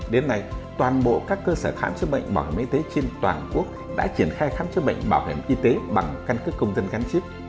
đến nay toàn bộ các cơ sở khám chữa bệnh bảo hiểm y tế trên toàn quốc đã triển khai khám chữa bệnh bảo hiểm y tế bằng căn cứ công dân gắn chip